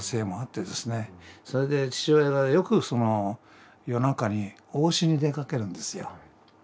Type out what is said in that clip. それで父親がよく夜中に往診に出かけるんですよ。